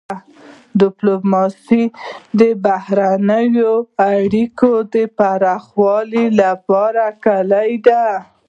ډيپلوماسي د بهرنیو اړیکو د پراخولو لپاره کلیدي ده.